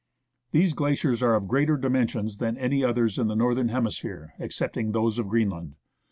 These glaciers are of greater dimensions than any others in the northern hemisphere excepting those of Greenland.